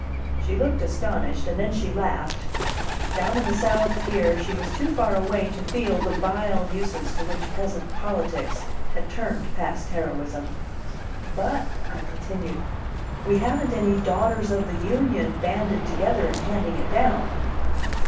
She looked astonished, and then she laughed. Down in the South here she was too far away to feel the vile uses to which present politics had turned past heroism. "But," I continued, "we haven't any Daughters of the Union banded together and handing it down."